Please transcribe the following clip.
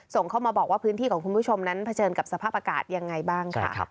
ส่งเข้ามาบอกว่าพื้นที่ของคุณผู้ชมนั้นเผชิญกับสภาพอากาศยังไงบ้างค่ะ